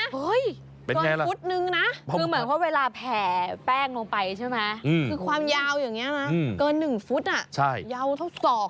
ฮะเห้ยเกินฟุตนึงนะคือเหมือนว่าเวลาแผ่แป้งลงไปใช่ไหม